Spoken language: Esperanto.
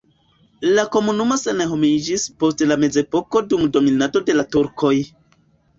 La komunumo senhomiĝis post la mezepoko dum dominado de la turkoj.